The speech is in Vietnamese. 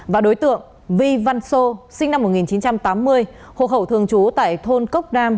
và đối tượng vi văn sô sinh năm một nghìn chín trăm tám mươi hộ khẩu thường trú tại thôn cốc đam